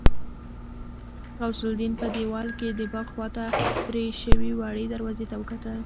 غوث الدين په دېوال کې د باغ خواته پرې شوې وړې دروازې ته وکتل.